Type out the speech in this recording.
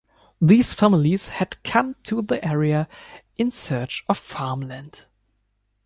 These families had come to the area in search of farmland.